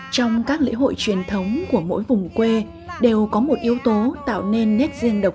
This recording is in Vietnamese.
trong các lễ hội truyền thống của mỗi vùng quê đều có một yếu tố tạo nên nét riêng độc